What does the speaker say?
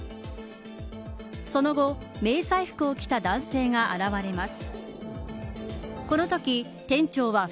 その後、迷彩服を着た男性が現れます。